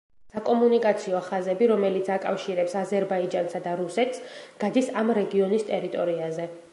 საკომუნიკაციო ხაზები, რომელიც აკავშირებს აზერბაიჯანსა და რუსეთს გადის ამ რეგიონის ტერიტორიაზე.